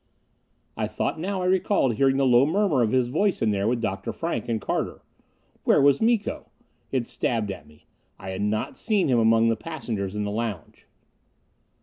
I thought now I recalled hearing the low murmur of his voice in there with Dr. Frank and Carter. Where was Miko? It stabbed at me. I had not seen him among the passengers in the lounge.